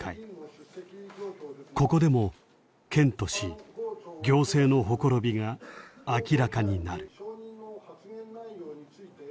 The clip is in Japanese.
ここでも県と市行政のほころびが明らかになる。